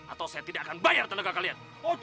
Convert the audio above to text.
atau saya tidak akan bayar tenaga kalian